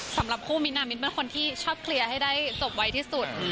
สำหรับคู่มิ้นมิ้นเป็นคนที่ชอบเคลียร์ให้ได้จบไวที่สุด